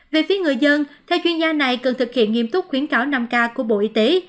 về phía người dân theo chuyên gia này cần thực hiện nghiêm túc khuyến cáo năm k của bộ y tế